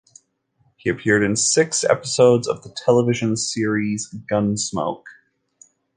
He appeared in six episodes of the television series "Gunsmoke".